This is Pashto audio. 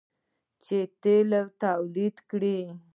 چې تیل تولید کړي.